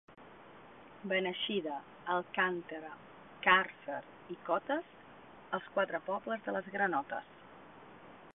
Beneixida, Alcàntera, Càrcer i Cotes, els quatre pobles de les granotes.